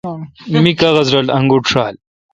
می قاغذرل انگوٹ ݭال۔